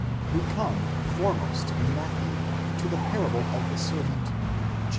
We come foremost in Matthew to the parable of the servant (xvili.